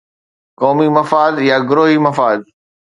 قومي مفاد يا گروهي مفاد؟